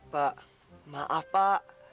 pak maaf pak